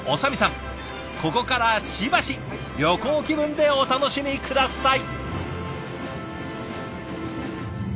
ここからしばし旅行気分でお楽しみ下さい。